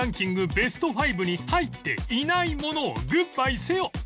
ベスト５に入っていないものをグッバイせよ